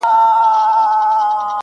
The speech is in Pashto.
د کرونا له تودې تبي څخه سوړ سو-